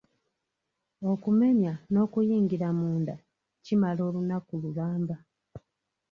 Okumenya n'okuyingira munda kimala olunaku lulamba.